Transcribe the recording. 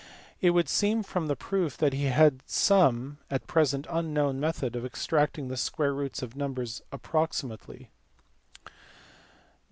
It would seem from the proof that he had some (at present unknown) method of extracting the square roots of numbers approximately.